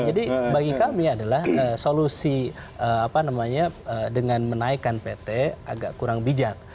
jadi bagi kami adalah solusi dengan menaikkan pt agak kurang bijak